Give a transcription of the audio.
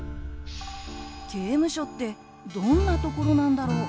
刑務所ってどんなところなんだろう？